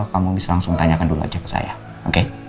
kamu bisa langsung tanyakan dulu aja ke saya oke